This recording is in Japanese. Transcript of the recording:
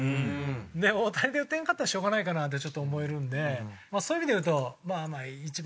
で大谷で打てんかったらしょうがないかなってちょっと思えるんでそういう意味で言うとまあ１番。